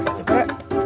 eh pak rw